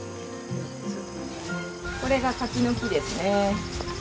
これが柿の木ですね。